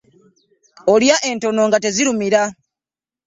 Olya entono nga tezirumira .